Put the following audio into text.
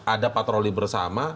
ada patroli bersama